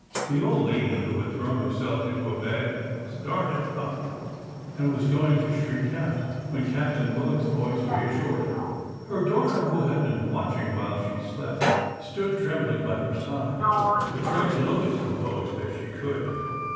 The old lady, who had thrown herself into a bed, started up, and was going to shriek out, when Captain Willock's voice reassured her. Her daughter, who had been watching while she slept, stood trembling by her side, but tried to look as composed as she could.